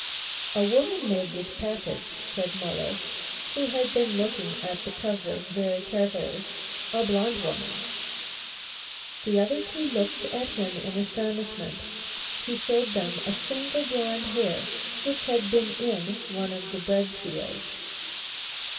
"A woman made this package," said Muller, who had been looking at the covering very carefully; "a blond woman." The other two looked at him in astonishment. He showed them a single blond hair which had been in one of the bread seals.